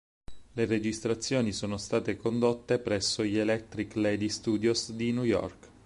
Le registrazioni sono state condotte presso gli Electric Lady Studios di New York.